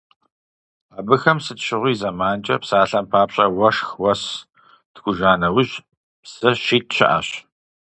Абыхэм сыт щыгъуи зэманкӀэ, псалъэм папщӀэ, уэшх, уэс ткӀуж а нэужь псы щит щыӀэщ.